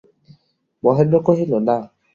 মহেন্দ্র কহিল, না।